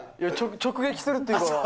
直撃するっていうから。